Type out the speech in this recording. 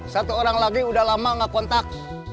satu orang lagi udah lama nggak kontak